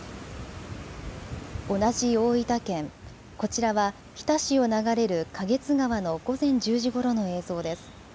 同じ大分県、こちらは日田市を流れる花月川の午前１０時ごろの映像です。